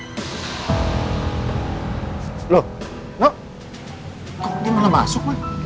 kok dia malah masuk pak